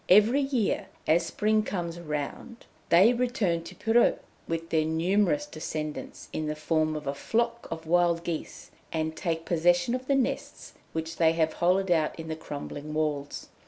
Every year as spring comes round, they return to Pirou with their numerous descendants, in the form of a flock of wild geese, and take possession of the nests which they have hollowed out in the crumbling walls.